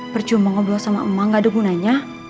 perju mau ngobrol sama emak nggak ada gunanya